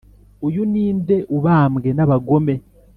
uyu ni nde ubambwe n'abagome